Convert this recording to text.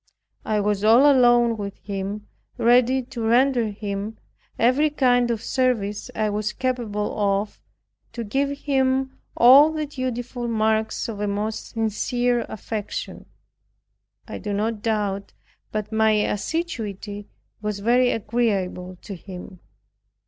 I was all alone with him, ready to render him every kind of service I was capable of, and to give him all the dutiful marks of a most sincere affection. I do not doubt but my assiduity was very agreeable to him.